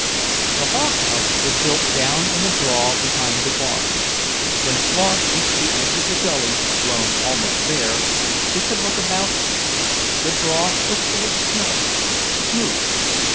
The hog house was built down in a draw behind the barn. When Claude reached the edge of the gully, blown almost bare, he could look about him. The draw was full of snow, smooth...